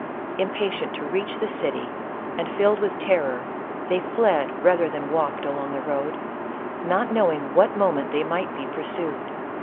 Impatient to reach the city, and filled with terror, they fled rather than walked along the road, not knowing what moment they might be pursued.